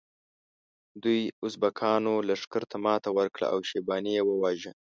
دوی ازبکانو لښکر ته ماته ورکړه او شیباني یې وواژه.